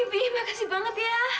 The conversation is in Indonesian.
bebek makasih banget ya